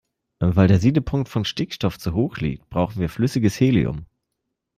Weil der Siedepunkt von Stickstoff zu hoch liegt, brauchen wir flüssiges Helium.